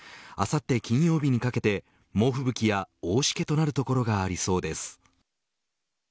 あさって金曜日にかけて猛吹雪や大しけとなる所がありそうです。